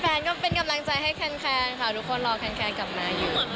ก็เป็นกำลังใจให้แฟนค่ะทุกคนรอแฟนกลับมาอยู่